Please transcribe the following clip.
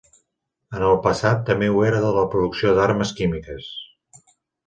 En el passat, també ho era de la producció d'armes químiques.